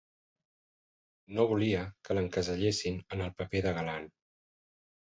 No volia que l'encasellessin en el paper de galant.